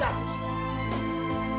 tidak ibu sana keluar